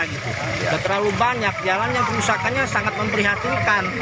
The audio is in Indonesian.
tidak terlalu banyak jalan yang kerusakannya sangat memperhatikan